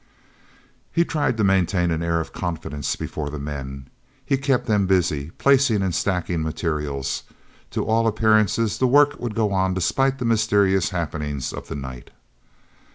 e tried to maintain an air of confidence before the men. He kept them busy placing and stacking materials; to all appearances the work would go on despite the mysterious happenings of the night.